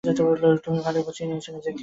তুমি ভালোই গুছিয়ে নিয়েছ নিজেকে।